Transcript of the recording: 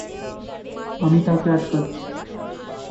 আমি তাকে আটকাচ্ছি।